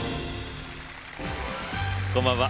こんばんは。